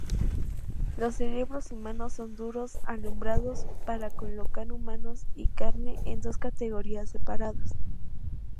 Los cerebros humanos son duros-alambrados para colocar humanos y carne en dos categorías separadas.